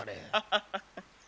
ハハハハ。